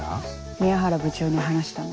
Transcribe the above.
宮原部長に話したの。